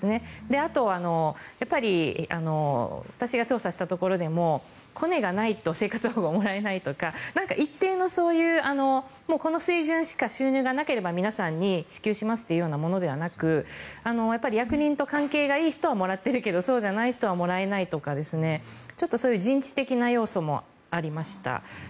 あとはやっぱり私が調査したところでもコネがないと生活保護がもらえないとか一定のそういうこの水準しか収入がなければ皆さんに支給しますというようなものではなく役人と関係がいい人はもらってるけどそうじゃない人はもらえないとかちょっとそういう要素もありました。